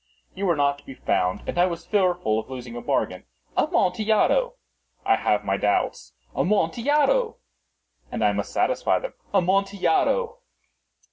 You were not to be found, and I was fearful of losing a bargain." "Amontillado!" "I have my doubts." "Amontillado!" "And I must satisfy them." "Amontillado!"